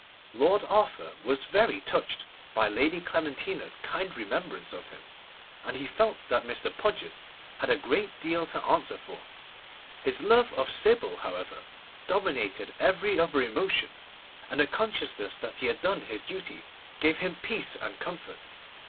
Lord Arthur was very much touched by Lady Clementina's kind remembrance of him, and felt that Mr. Podgers had a great deal to answer for. His love of Sybil, however, dominated every other emotion, and the consciousness that he had done his duty gave him peace and comfort.